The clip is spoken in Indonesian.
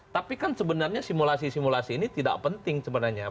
tapi kan sebenarnya simulasi simulasi ini tidak penting sebenarnya